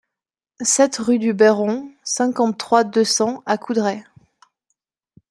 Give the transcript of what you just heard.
sept rue du Béron, cinquante-trois, deux cents à Coudray